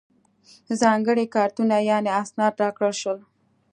ځانګړي کارتونه یعنې اسناد راکړل شول.